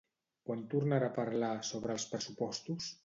Quan tornarà a parlar sobre els pressupostos?